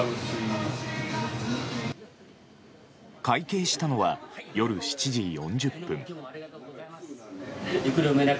会計したのは夜７時４０分。